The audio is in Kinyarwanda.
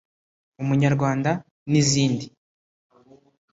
Umunyarwanda” n’izindi